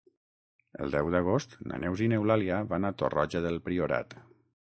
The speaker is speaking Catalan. El deu d'agost na Neus i n'Eulàlia van a Torroja del Priorat.